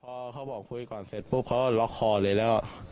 พอเขาบอกคุยก่อนเสร็จปุ๊บเขาล็อกคอเลยแล้ว